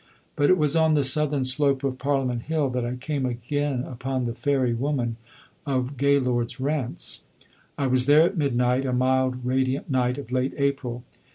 But it was on the southern slope of Parliament Hill that I came again upon the fairy woman of Gaylord's Rents. I was there at midnight, a mild radiant night of late April.